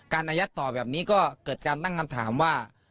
อายัดต่อแบบนี้ก็เกิดการตั้งคำถามว่า